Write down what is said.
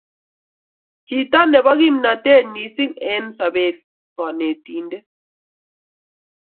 chito nebo kimnatet mising' eng' sobet konetindet